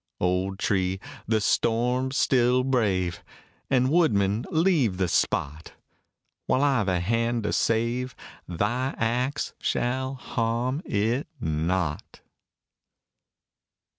Old tree! the storm still brave! And, woodman, leave the spot; While I've a hand to save, thy axe shall harm it not.